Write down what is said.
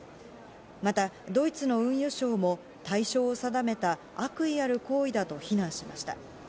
また、ドイツの運輸相も対象を定めた悪意ある行為だと非難しました。